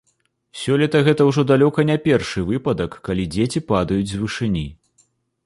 Сёлета гэта ўжо далёка не першы выпадак, калі дзеці падаюць з вышыні.